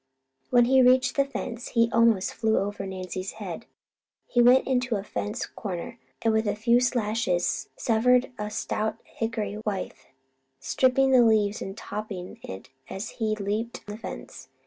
When he reached the fence, he almost flew over Nancy's head. He went into a fence corner, and with a few slashes severed a stout hickory withe, stripping the leaves and topping it as he leaped the fence.